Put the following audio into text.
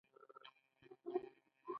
سنتور او تار مشهورې الې دي.